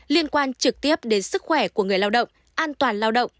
liên quan trực tiếp đến sức khỏe của người lao động an toàn lao động